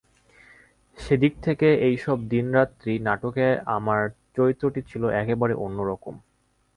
সেদিক থেকে এইসব দিনরাত্রি নাটকে আমার চরিত্রটি ছিল একেবারে অন্য রকম।